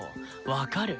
分かる？